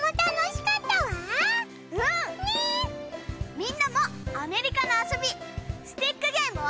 みんなもアメリカの遊びスティックゲームを。